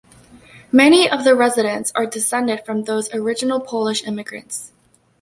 Many of the residents are descended from those original Polish immigrants.